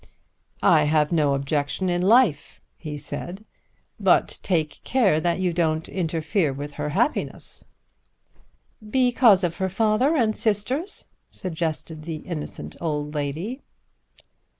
"I have no objection in life," he said; "but take care that you don't interfere with her happiness." "Because of her father and sisters?" suggested the innocent old lady.